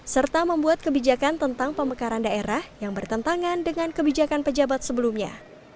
serta membuat kebijakan tentang pemekaran daerah yang bertentangan dengan kebijakan pejabat sebelumnya